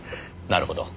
なるほど。